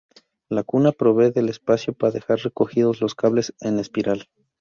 La "cuna" provee del espacio par dejar recogidos los cables en espiral.